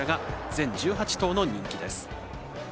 全１８頭の人気です。